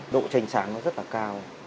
độ tranh sáng nó rất là cao